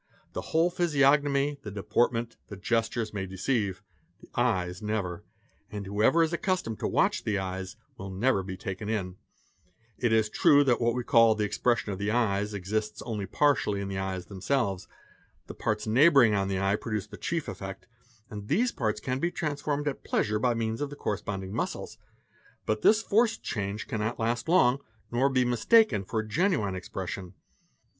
The whole physiognomy, the deportment, the gestures, "may deceive, the eyes never; and whoever is accustomed to watch the eyes will never be taken in. 1/125 24 NM MYA ARN FR AA RRP SOS 99 It is true that what we call "the expression of the eyes' exists only 00 MR eS "partially in the eyes themselves; the parts neighbouring on the eye produce the chief effect, and these parts can be transformed at pleasure Rint ry Mins' by means of the corresponding muscles; but this forced change cannot last long nor be mistaken for a genuine expression.